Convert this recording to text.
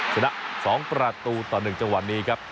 ชนะ๒ประตูต่อ๑จังหวัดนี้ครับ